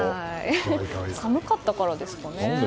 寒かったからですかね？